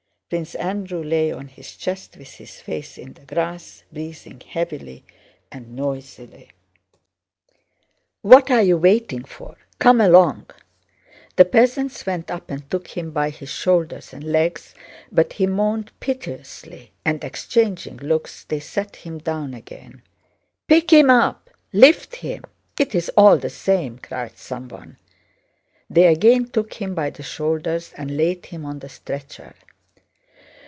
Prince Andrew lay on his chest with his face in the grass, breathing heavily and noisily. "What are you waiting for? Come along!" The peasants went up and took him by his shoulders and legs, but he moaned piteously and, exchanging looks, they set him down again. "Pick him up, lift him, it's all the same!" cried someone. They again took him by the shoulders and laid him on the stretcher.